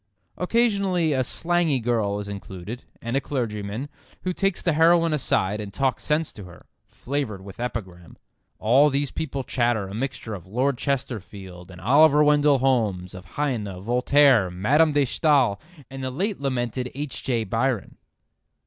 Occasionally a slangy girl is included, and a clergyman, who takes the heroine aside and talks sense to her, flavoured with epigram. All these people chatter a mixture of Lord Chesterfield and Oliver Wendell Holmes, of Heine, Voltaire, Madame de Stael, and the late lamented H. J. Byron.